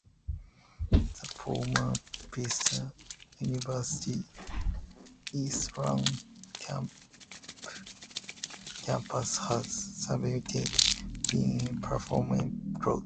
The former Vista University East Rand Campus has subsequently been permanently closed.